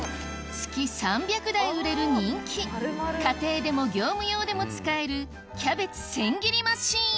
月３００台売れる人気家庭でも業務用でも使えるキャベツ千切りマシン